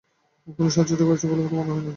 কোনো সাজসজ্জা করেছে বলেতো মনে হয় না।